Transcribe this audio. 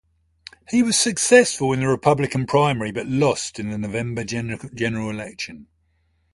He was successful in the Republican primary but lost in the November general election.